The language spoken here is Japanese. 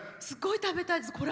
すごい食べたいです。